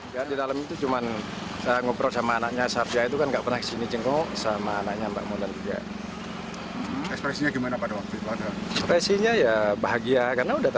tadi langsung berpelukan lah bahagia sama si safia